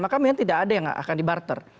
maka memang tidak ada yang akan dibarter